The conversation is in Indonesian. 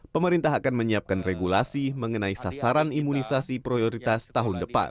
pemerintah akan menyiapkan regulasi mengenai sasaran imunisasi prioritas tahun depan